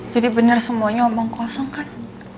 jadi bener semuanya omong kosong kan